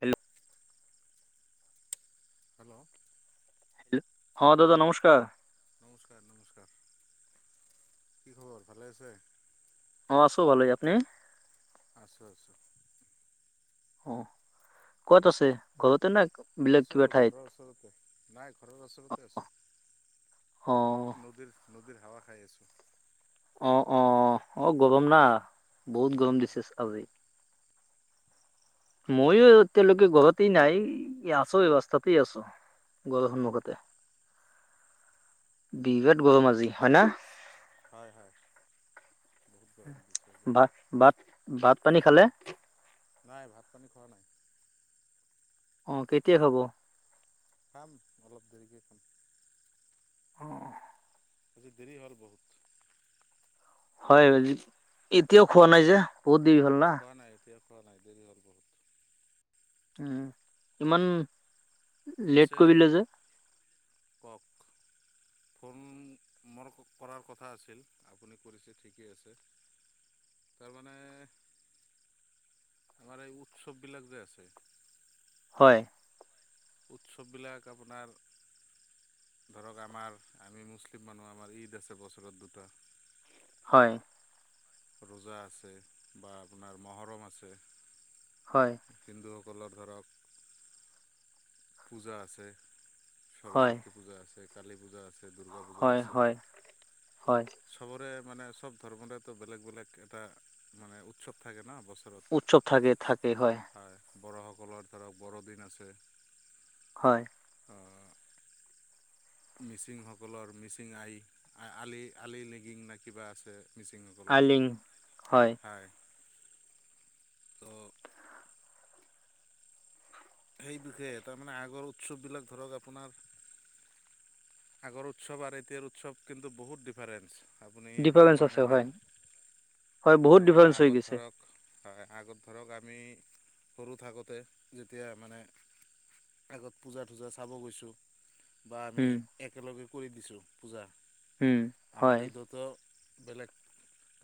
Hello hello হ দাদা নমস্কাৰ। নমস্কাৰ নমস্কাৰ কি খবৰ ভালে আছে। অঁ আছো ভালে আপনি? আছোঁ আছোঁ। অ ক'ত আছে? ঘৰতে না। আছো ঘৰৰ ওচৰতে নাই ঘৰৰ ওচৰতে আছো। অ। নদীৰ হাৱা খাই আছোঁ। অ অ অ গৰম না বহুত হয় গৰম হয় দিছে আজি। ময়ো এতিয়ালৈকে ঘৰতেই নাই আছো ৰাস্তাতে আছো। ঘৰৰ অঁ সন্মুখতে। বিৰাত গৰমা আজি হয় না? হয়, হয় বহুত গৰম। দিছে আজি ভাত ভাত ভাত পানী খালে? নাই ভাত পানী খোৱা নাই। অ কেতিয়া খাব? খাম অলপ দেৰিকে খাম। অ। আজি দেৰি হ'ল বহুত। হয় এতিয়াও খোৱা নাই যে বহুত দেৰি হ'ল না। খোৱা নাই এতিয়াও খোৱা নাই দেৰি হ'ল বহুত। উম ইমান লেট পিছে কৰিলে যে কওঁক? ফোন মোৰ কৰাৰ কথা আছিল, আপুনি কৰিছে ঠিকেই আছে। তাৰমানে আমাৰ এই উৎসৱবিলাক যে আছে হয়। উৎসৱবিলাক আপোনাৰ ধৰক আমাৰ আমি মুছলিম মানুহ, আমাৰ ঈদ আছে বছৰত দুটা। হয়। ৰোজা আছে বা আপোনাৰ মহৰম আছে। হয়। হিন্দুসকলৰ ধৰক পূজা আছে, হয় সৰস্বতী পূজা আছে, কালী পূজা আছে। এ, দুৰ্গা পূজা হয় আছে। হয় হয় চবৰে মানে চব ধৰ্মৰেতো বেলেগ বেলেগ এটা মানে উৎসৱ থাকে ন' বছ চৰত। উৎসৱ থাকে থাকে হয়, বড়োসকলৰ ধৰক বড়োদিন আছে। হয়। অ'। মিচিংসকলৰ মিচিং আই, আ-আলি আলি লেগিং নে কিবা আছে মিচিংসকল। আলিঙ হয়। ত সেই বিষয়ে তাৰমানে আগৰ উৎসৱবিলাক ধৰক আপোনাৰ আগৰ উৎসৱ আৰু এতিয়াৰ উৎসৱ কিন্তু বহুত ডিফাৰেন্ঞ্চ। আপুনি গম ডিফাৰেন্ঞ্চ আছে পায়নে হয় নাই, হয় বহুত তাৰমানে ডিফাৰেন্ঞ্চ হৈ আগত গৈছে ধৰক হয়, আগত ধৰক আমি সৰু থাকোঁতে যেতিয়া মানে আগত পূজা টোজা চাব গৈছোঁ। বা আমি উম একেলগে কৰি দিছোঁ পূজা। উম হয় আমাৰ ঈদতো বেলেগ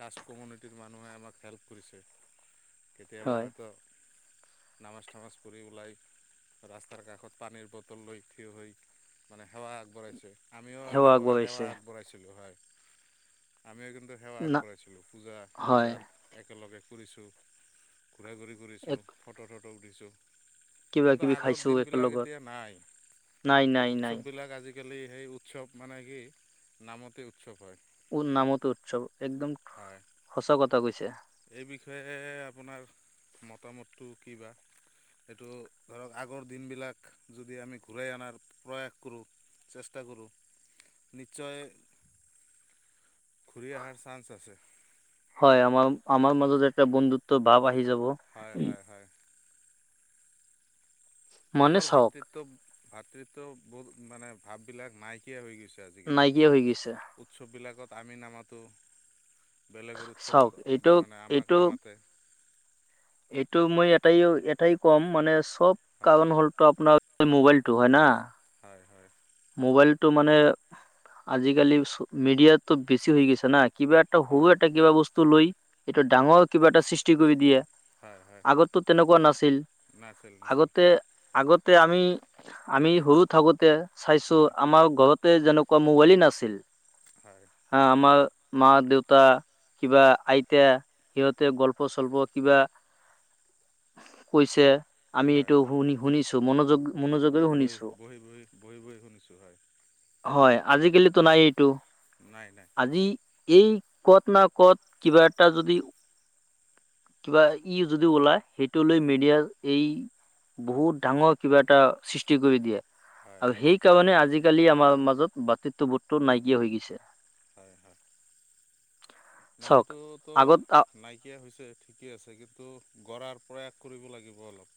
কাষ্ট কমিউনিটিৰ মানুহে আমাক হেল্প কৰিছে। কেতিয়াবা হয় হয়তো নামাজ টামাজ পঢ়ি ওলাই ৰাস্তাৰ কাষত পানীৰ বটল লৈ থিয় হৈ মানে সেৱা বঢ়াইছে, আমিও সেৱা এনেকুৱা সেৱা আগবঢ়াইছে আগবঢ়াইছিলোঁ হয়। আমিও কিন্তু সেৱা না আগবঢ়াইছিলোঁ, হয় পূজাত একেলগে ফুৰিছোঁ। ঘূৰা ঘূৰি ঘূৰিছোঁ, এক ফটো টটো উঠিছোঁ। কিবা কিন্তু কিবি আগৰ খাইছো দিনবিলাক একেলগত এতিয়া নাই। নাই নাই নাই উৎসৱবিলাক আজি কালি সেই উৎসৱ মানে কি নামতে উৎসৱ হয়। উৰ নামতে উৎসৱ, একদম হয় সঁচা কথা কৈছে। এই বিষয়ে আপোনাৰ মতামতটো কি বা। সেইটো ধৰক আগৰ দিনবিলাক যদি আমি ঘূৰাই আনাৰ প্ৰয়াস কৰোঁ চেষ্টা কৰোঁ, নিশ্চয় ঘূৰি আহাৰ চান্স আছে। হয় আমাৰ আমাৰ মাজত এটা বন্ধুত্ব ভাৱ আহি যাব। হয়, হয়, হয়। মানে আগৰ চাওক ভাতৃত্ব ভাতৃত্ব বোধ মানে ভাববিলাক নাইকিয়া হৈ গৈছে। আজিকালি। নাইকিয়া হৈ গৈছে উৎসৱবিলাকত আমি নামাতো বেলেগৰ চাওক এইটো উৎসবত মানে আমাক এইটো নামাতে। এইটো মই এটাই এটাই ক'ম মানে চব হয় কাৰণ হ'লটো আপোনাক মোবাইলটো হয়ে না। হয়, হয়। মোবাইলটো মানে আজিকালি মিডিয়াতো বেছি হৈ গৈছে না কিবা এ হু হয় এটা কিবা বস্তু লৈ এইটো ডাঙৰ কিবা এটা সৃষ্টি কৰি দিয়ে। হয় হয় আগতটো তেনেকুৱা নাছিল, নাছিল নাছিল আগতে আগতে আমি আমি সৰু থাকোঁতে চাইছো হয় আমাৰ ঘৰত তে যেনেকুৱা মোবাইলে নাছিল। হয়। হা আমাৰ মা-দেউতা কিবা আইতা সিহঁতে গল্প চল্প কিবা কৈছে আমি হয় এইটো শুনি শুনিছোঁ মনোযোগ মনোযোগেৰে বহি, শুনিছো বহি, বহি, বহি, বহি, শুনিছোঁ হয়। হয় আজিকালিতো নাই এইটো। নাই, নাই। আজি এই ক'ত না ক'ত কিবা এটা যদি কিবা ই যদি ওলাই সেইটো লৈ মিডিয়া এই বহুত ডাঙৰ কিবা এটা সৃষ্টি কৰি দিয়ে। হয় আৰু হয় সেই কাৰণে আজিকালি আমাৰ মাজত ভাতৃত্ববোধটো নাইকিয়া হৈ গৈছে। হয়, হয়। নাই চাওক সেইটোতো আগত নাইকিয়া হৈছে। ঠিকে আছে কিন্তু কৰাৰ প্ৰয়াস কৰিব লাগিব অলপ।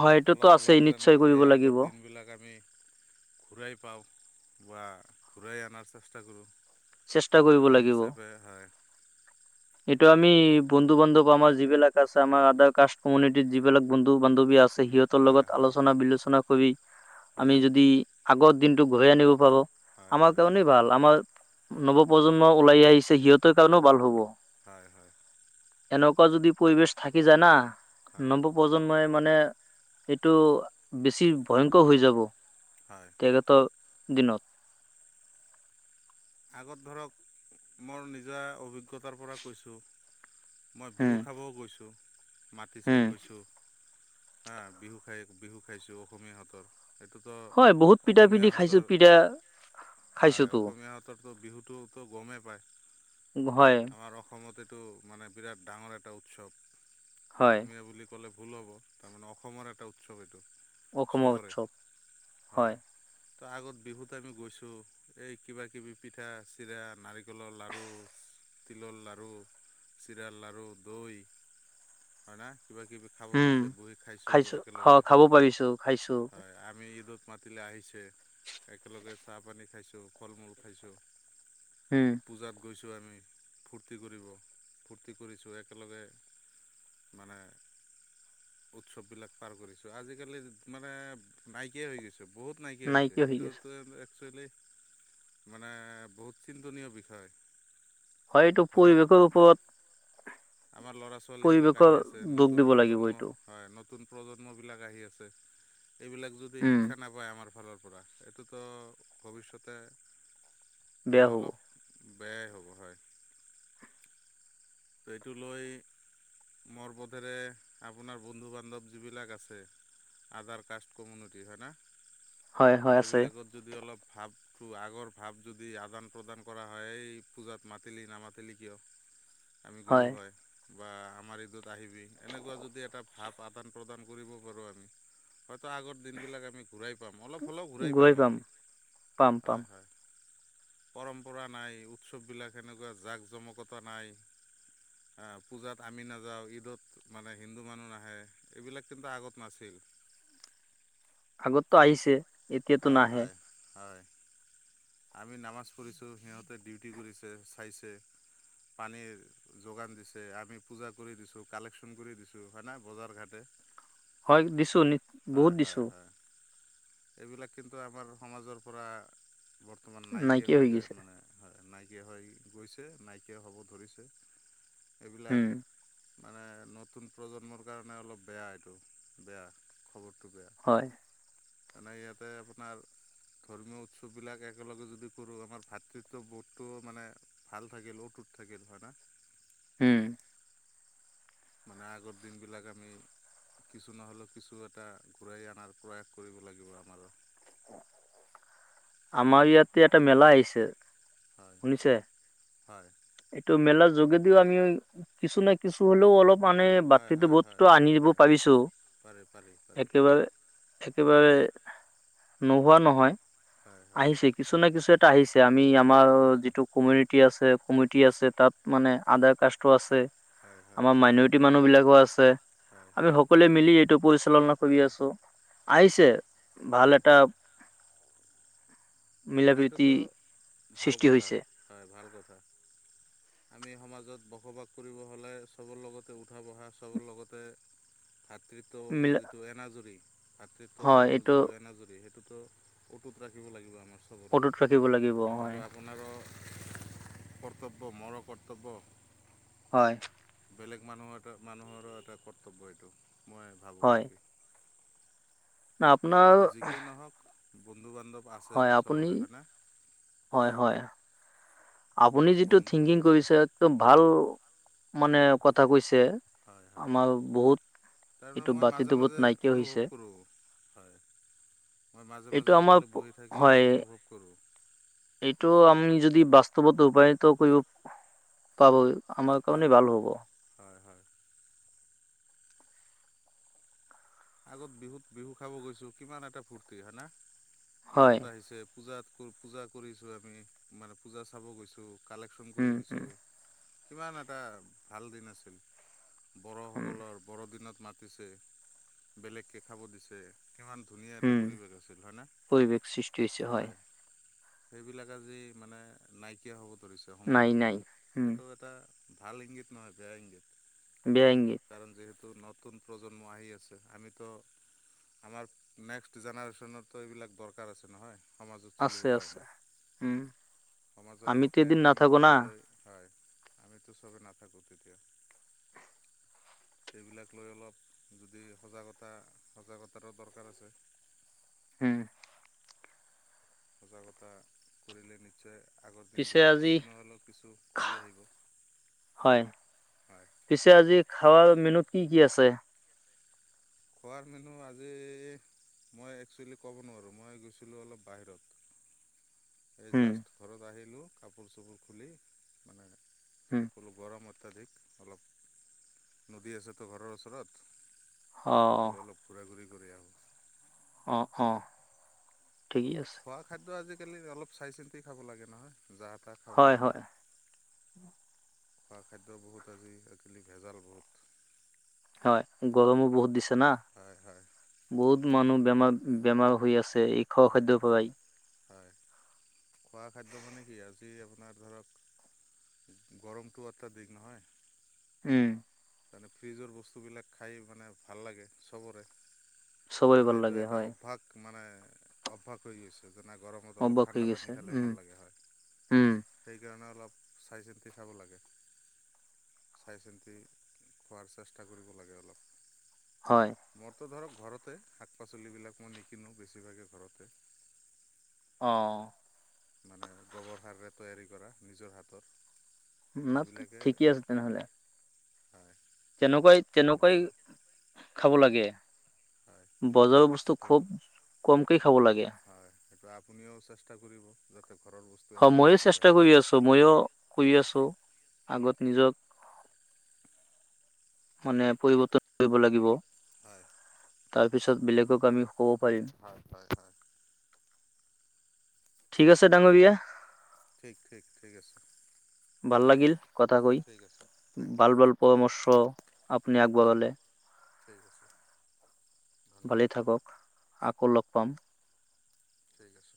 হয়টোতো অলপ হ'লেও আছেই যেন নিশ্চয় কৰিব সেই আগৰ লাগিব দিনবিলাক আমি ঘূৰাই পাওঁ বা ঘূৰাই আনাৰ চেষ্টা কৰোঁ। চেষ্টা কৰিব সেই লাগিব। হিচাপে হয় এইটো আমি বন্ধু বান্ধৱ আমাৰ যিবিলাক আছে আমাৰ আদাৰ কাষ্ট কমিউনিটিৰ যিবিলাক বন্ধু বান্ধৱী আছে, সিহঁত তৰ হয় লগত হয় আলোচনা বিলোচনা কৰি হয় আমি যদি আগৰ দিনটো ঘূৰাই আনিব পাৰোঁ। হয় হয় আমাৰ কাৰণেই ভাল আমাৰ হয় নৱপ্ৰজন্ম ওলাই আহিছে সিহঁতৰ কাৰণেও ভাল হ'ব। হয়, হয়। এনেকুৱা যদি পৰিবেশ থাকি যায় না হয় নব প্ৰজন্মই মানে এইটো বেছি ভয়ংকৰ হৈ যাব। হয়। বিগত দিনত। আগত ধৰক মোৰ নিজা অভিজ্ঞতাৰ পৰা কৈছোঁ। মই বিহু হম খাবও গৈছোঁ, মাতিছে হম গৈছোঁ। হা বিহু খাই বিহু খাইছোঁ অসমীয়াহঁতৰ। সেইটোতো হয় বহুত পিঠা পিঠি খাইছো অসমীয়াহঁতৰ পিঠা হয় খাইছোতো অসমীয়াত অততো বিহুটোতো গমেই পায়। হয়। আমাৰ অসমত এইটো মানে বিৰাট ডাঙৰ এটা উৎসৱ, হয় অসমীয়া বুলি ক'লে ভুল হ'ব তাৰমানে অসমৰ এটা উৎসৱ এইটো, অসমৰ চবৰে উৎসৱ হয়। ত' আগত বিহুত আমি গৈছো, এই কিবা কিবি পিঠা, চিৰা, নাৰিক নাৰিকলৰ লাৰু। তিলৰ লাৰু, চিৰাৰ লাৰু, দৈ হয় না কিবা কিবি খাব উম দিছে, বহি খাইছোঁ খাইছো খ একেলগে, খাব পাৰিছো খাইছো হয়। আমি ঈদত মাতিলে আহিছে একেলগে চাহ পানী খাইছোঁ, ফল-মূল খাইছোঁ। হয়, পূজাত গৈছোঁ আমি, ফূৰ্তি কৰিব, ফূৰ্তি কৰিছোঁ একেলগে মানে উৎসৱ বিলাক পাৰ কৰিছোঁ, আজিকালি মানে নাইকিয়া হৈ গৈছে। বহুত নাইকিয়া হৈছে, হৈ গৈছে এইটোত এক্সুৱেলি মানে বহুত, চিন্তনীয় বিষয়। হয়, এইটো ধৰক পৰিৱেশৰ ওপৰত আমাৰ ল'ৰা ছোৱালীবিলাক পৰিৱেশৰ আহি আছে দুখ নতুন দিব লাগিব প্ৰজন্ম এইটো হয় নতুন প্ৰজন্মবিলাক আহি আছে, এইবিলাক যদি উম শিক্ষা ন আমাৰ ফালৰ পৰা, এইটোতো ভৱিষ্যতে বেয়া মানে হ'ব অলপ বেয়াই হ'ব হয়। এইটো লৈ মৈৰ মতেৰে, আপোনাৰ বন্ধু- বান্ধৱ যিবিলাক আছে। আদাৰ কাষ্ট কমিউনিটি হয়নে? হয় হয় আছে সেইবিলাকত যদি অলপ ভাৱ ত, আগৰ ভাৱ যদি আদান প্ৰদান কৰা হয়ই, পূজাত মাতিলি-নামাতিলি কিয়? আমি গ'লোঁ হয়। বা আমাৰ ঈদত আহিবি, এনেকুৱা যদি এটা ভাৱ আদান -প্ৰদান কৰিব পাৰোঁ আমি হয়টো, আগৰ দিনবিলাক আমি ঘূৰাই পাম, অলপ সকলো ঘূৰাই পাম আমি, পাম পাম হয়, হয়। পৰম্পৰা নাই, উৎসৱবিলাক সেনেকুৱা জাক-জমকতা নাই। অ, পূজাত আমি নাযাওঁ, ঈদত মানে হিন্দু মানুহ নাহে, এইবিলাক কিন্তু আগত নাছিল। আগতো আহিছে? এতিয়াতো হয়, নাহে হয়, হয়। আমি নামাজ পঢ়িছোঁ। সিহঁতে ডিউটি কৰিছে, চাইছে পানীৰ যোগান দিছে, আমি পূজা কৰি দিছোঁ, কালেকশ্যন কৰি দিছোঁ। হয় না? বজাৰ ঘাটে। হয় দিছো নি বহুত হয়, দিছো হয়, হয়। এইবিলাক, কিন্তু আমাৰ সমাজৰ পৰা বৰ্তমান নাইকিয়া হৈ যায় মানে। হয়, নাইকিয়া হৈ গৈছে, নাইকিয়া হ'ব ধৰিছে। এইবিলাক উম মানে, নতুন প্ৰজন্মৰ কাৰণে অলপ বেয়া, এইটো বেয়া খবৰটো বেয়া। হয়। মানে ইয়াতে আপোনাৰ, ধৰ্মীয় উৎসৱবিলাকে একেলগে যদি কৰোঁ, আমাৰ ভাতৃত বোধটো মানে, ভাল থাকিল অটুত থাকিল হয়, না? উম, মানে আগৰ দিনবিলাক আমি কিছু নহ'লেও কিছু এটা, ঘূৰাই আনাৰ প্ৰয়াস কৰিব লাগিব আমাৰ। উ [inaudible] আমাৰ ইয়াতে এটা মেলা আহিছে। হয় শুনিছে? হয় এইটো মেলাৰ যোগেদিও আমি, কিছু নাই, কিছু হ'লেও অলপ মানে হয় ভাতৃত হয় হয় বোধটো হয় আনি দিব হয় পাৰিছোঁ। পাৰি পাৰি পাৰি একেবাৰে একেবাৰে, নোহোৱা নহয়। হয়, হয়। আহিছে, কিছু নাই কিছু এটা আহিছে। আমি আমাৰ আহিছে আহিছে যিটো কমিউনিটি আছে, কমিউটি আছে, তাত মানে আদাৰ কাষ্টো আছে। হয় হয় আমাৰ হয় মাইনৰিটি মানুহ বিলাকো আছে। হয় আমি সকলোৱে মিলি এইটো পৰিচালনা কৰি হয় আছোঁ, আহিছে ভাল হয় এটা মিলা না এইটোতো, প্ৰীতি ভাল সৃষ্টি কথা, হৈছে হয় ভাল কথা। আমি সমাজত বসবাস কৰিব হ'লে, চবৰ লগতে উঠা বহা, চবৰ লগতে [inaudible] ভাতৃত্ব মিলা যিটো এনাজৰী হয় ভাতৃত্ববোধৰ এইটো যিটো এনাজৰী সেই সেইটো, অতুত ৰাখিব লাগিব আমাৰ চবৰে। অটুত ৰাখিব লাগিব হয় সেইটো আমি অপোনাৰো কৰ্তব্য ম'ৰ কৰ্তব্য। হয় বেলেগ মানুহৰ এটো মানুহৰো এটা কৰ্তব্য এইটো মই ভাবোঁ হয় আৰু আপোনাৰ আহক, বন্ধু-বান্ধৱ আছে হয় আপুনি চবৰে হয়নে? হয় হয়। আপুনি যিটো ফোন থিংকিং কৰি কৰিছে এইটো ভাল হয় মানে কথা কৈছে আমাৰ বহুত সেইটো এইটো মই মাজে বাতিটো বহুত মাজে নাইকিয়া হৈছে অনুভৱ কৰোঁ। হয় মই এইটো মাজে-মাজে আমাৰ অকলে প- বহি থাকি হয় অনুভৱ কৰোঁ। এইটো আমি যদি বাস্তৱত ৰূপায়ত কৰিব পাব আমাৰ কাৰণে হয় ভাল হ'ব। হয় হয় আগত বিহুত বিহু খাব গৈছো কিমান এটা ফূৰ্তি হয়না, হয় ঈদত আহিছে, পূজাত পূ পূজা কৰিছোঁ, আমি মানে পূজা চাব গৈছোঁ কালেকশ্যন কৰি উম উম দিছোঁ। কিমান এটা ভাল দিন আছিল উম বড়োসকলৰ বড়দিনত মাতিছে। বেলেগকে খাব দিছে কিমান ধুনীয়া এটা উম পৰিৱেশ আছিল হয়নে, পৰিৱেশ সৃষ্টি হৈছে হয় সেইবিলাক আজি মানে নাইকিয়া হ'ব ধৰিছে নাই সমাজৰ নাই পৰা উম সেইটো এটা ভাল ইংগিত নহয়, বেয়া ইংগিত বেয়া ইংগিত কাৰণ যিহেতু নতুন প্ৰজন্ম আহি আছে। আমিতো আমাৰ নেক্সট জেনেৰেশ্যনততো এইবিলাক দৰকাৰ আছে নহয়। সমাজত আছে চলিবৰ আছে কাৰণে উম সমাজৰ আমিতো হকে এদিন কাম নাথাকো না কৰিবলৈ হয় আমিতো চবেই নাথাকো তেতিয়া এইবিলাক লৈ অলপ যদি সজাগতা সজাগতাৰো দৰকাৰ আছে। উম সজাগতা কৰিলে নিশ্চয় আগৰ পিছে দিনবিলাক আজি কিছু নহ'লেও কিছু ঘূৰি আহিব। হয় হয় পিছে আজি খাৱাল মেনুত কি কি আছে খোৱাৰ মেনু আজি মই একচুৱেলি ক'ব নোৱাৰোঁ মই গৈছিলোঁ অলপ বাহিৰত [inaudible] এই জাষ্ট ঘৰত আহিলোঁ কাপোৰ চাপোৰ খুলি মানে হুম ক'লোঁ গৰম অত্যাধিক অলপ নদী আছেতো ঘৰৰ ওচৰত অ বলো অলপ ঘূৰা ঘূৰি কৰি আহোঁ অঁ অঁ ঠিকে আছে। খোৱা খাদ্য আজিকালি অলপ চাই চিনতী খাব লাগে নহয় যা-তাহ খাব হয় নোৱাৰি। হয় খোৱা খাদ্য বহুত আজি আজিকালি ভেজাল বহুত হয় গৰমো বহুত দিছে না হয় হয় বহুত মানুহ বেমাৰ বেমাৰ হৈ আছে এই খোৱা হয় খাদ্যৰ পৰাই। হয়। খোৱা খাদ্য মানে কি আ, আজি আপোনাৰ ধৰক গৰমটো অত্যাধিক নহয়। উম। তাৰনে ফ্ৰিজৰ বস্তুবিলাক খাই মানে ভাল লাগে চবৰে। চবৰে মানে ভাল এইটো লাগে এটা হয় অভ্যাস মানে অভ্যাস হৈ গৈছে। যেনে গৰমত অলপ অভ্যাস হৈ ঠাণ্ডা গৈছে পানী খালে উম ভাল লাগে হয়। উম সেইকাৰণে অলপ চাই চিন্তি চাব লাগে। চাই চিন্তি খোৱাৰ চেষ্টা কৰিব লাগে অলপ। হয়। মোৰতো ধৰক ঘৰতে শাক পাচলিবিলাক মই নিকিনো বেছিভাগে ঘৰতে। অ। মানে গোবৰ সাৰৰে তৈয়াৰী কৰা নিজৰ হাতৰ। এইবিলাকে ঠিকে আছে তেনেহ'লে। হয় তেনেকুৱাই তেনেকৈ এইটো খাব লাগে। হয় বজাৰ বস্তু সেইটো খুব কমকেই খাব লাগে। হয়, সেইটো আপুনিও চেষ্টা কৰিব। যাতে ঘৰৰ ব হয়, মইও চেষ্টা কৰি আছোঁ। মইও কৰি হয় আছোঁ। আগত নিজক মানে পৰিৱ--ন কৰিব লাগিব। হয়। তাৰপিছত বেলেগক আমি ক'ব পাৰিম। হয় হয় হয় ঠিক আছে ডাঙৰীয়া। ঠিক ঠিক, ঠিক আছে। ভাল লাগিল কথা কৈ। ঠিক আছে থেংক ইউ ভাল ভাল পৰামৰ্শ আপুনি আগবঢ়ালে। ঠিক আছে। ভালে ধন্যবাদ থাকক, আকৌ লগ পাম। ঠিক আছে।